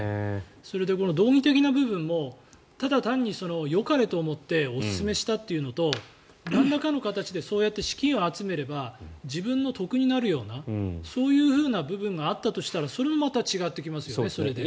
それで、この道義的な部分もただ単によかれと思っておすすめしたというのとなんらかの形でそうやって資金を集めれば自分の得になるようなそういうふうな部分があったとしたらそれもまた違ってきますよねそれで。